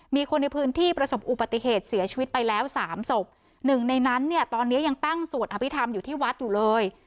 มีคนในพื้นที่ประสบอุบัติเหตุเสียชีวิตไปแล้วสามศพหนึ่งในนั้นเนี่ยตอนเนี้ยยังตั้งสวดอภิษฐรรมอยู่ที่วัดอยู่เลย